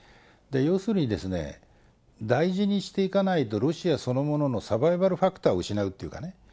要するに、大事にしていかないと、ロシアそのもののサバイバルファクターを失うっていうかね。